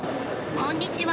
こんにちは。